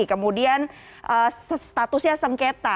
kemudian statusnya sengketa